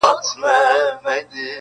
اوس مي د كلي ماسومان ځوروي.